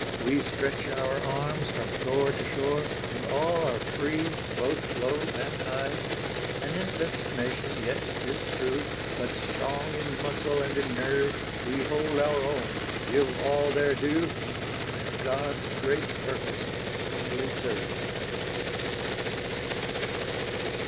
We stretch our arms from shore to shore And all are free, both low and high; An infant nation yet, 'tis true, But strong in muscle and in nerve, We hold our own, give all their due, And God's great purpose humbly serve.